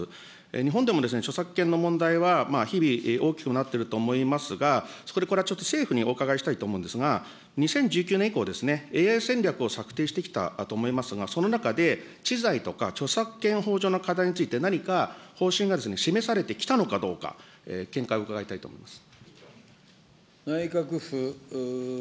日本でも著作権の問題は日々大きくなっていると思いますが、そこでこれはちょっと政府にお伺いしたいと思うんですが、２０１９年以降、ＡＩ戦略を策定してきたと思いますが、その中で、知財とか著作権法上の課題について、何か方針が示されてきたのかどうか、見解を伺いたいと思います。